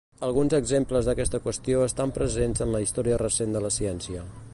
Alguns exemples d'aquesta qüestió estan presents en la història recent de la ciència.